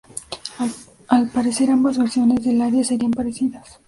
Al parecer ambas versiones del área serían parecidas.